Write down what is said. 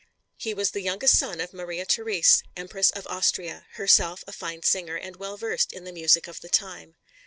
He was the youngest son of Maria Therese, Empress of Austria, herself a fine singer and well versed in the music of the time.